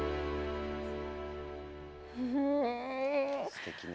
すてきね。